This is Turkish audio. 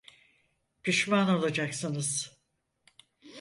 Pişman olacaksınız.